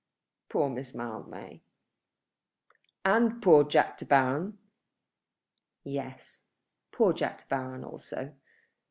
Poor Miss Mildmay!" "And poor Jack De Baron!" "Yes; poor Jack De Baron also!